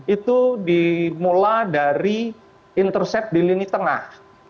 itu dimulai dari intercept di lini tengah